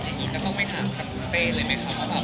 อย่างนี้ก็ต้องไปถามคุณเต้เลยมั้ย